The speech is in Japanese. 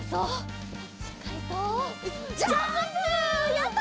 やった！